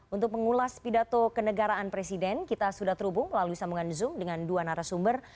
untuk mengulas pidato kenegaraan presiden kita sudah terhubung melalui sambungan zoom dengan dua narasumber